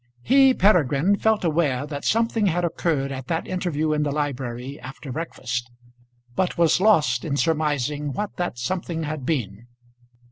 He, Peregrine, felt aware that something had occurred at that interview in the library after breakfast, but was lost in surmising what that something had been.